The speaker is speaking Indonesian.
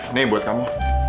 ini buat kamu